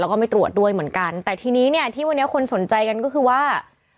แล้วก็ไม่ตรวจด้วยเหมือนกันแต่ทีนี้เนี่ยที่วันนี้คนสนใจกันก็คือว่า